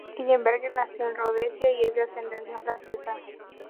Ellenberger nació en Rodesia y es de ascendencia francesa.